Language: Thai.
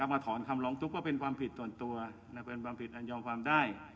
มาถอนคำร้องทุกข์ก็เป็นความผิดส่วนตัวเป็นความผิดอันยอมความได้